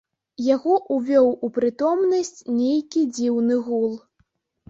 Яго ўвёў у прытомнасць нейкі дзіўны гул.